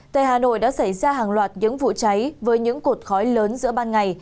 tại hà nội đã xảy ra hàng loạt những vụ cháy với những cột khói lớn giữa ban ngày